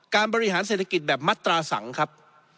บริหารเศรษฐกิจแบบมัตราสังครับ